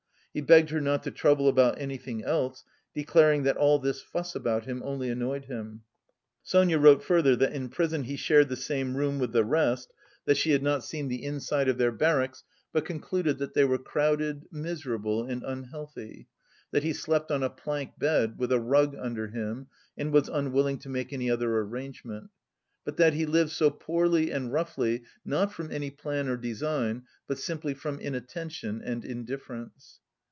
He begged her not to trouble about anything else, declaring that all this fuss about him only annoyed him. Sonia wrote further that in prison he shared the same room with the rest, that she had not seen the inside of their barracks, but concluded that they were crowded, miserable and unhealthy; that he slept on a plank bed with a rug under him and was unwilling to make any other arrangement. But that he lived so poorly and roughly, not from any plan or design, but simply from inattention and indifference.